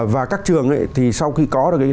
và các trường thì sau khi có được